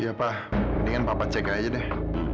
iya pak mendingan papa cek aja deh